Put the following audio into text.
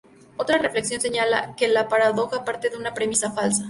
Otra reflexión señala que la paradoja parte de una premisa falsa.